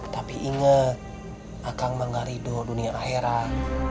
tapi inget saya manggarido dunia akhirah